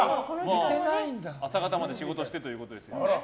朝方まで仕事してということですね。